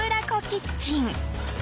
キッチン。